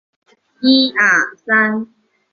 卡雷戈萨是葡萄牙阿威罗区的一个堂区。